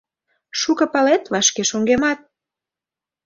Шуко палет — вашке шоҥгемат.